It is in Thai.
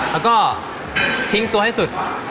แล้วก็ทิ้งตัวให้สุด